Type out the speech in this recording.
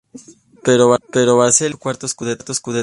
Pro Vercelli ganó su cuarto "scudetto".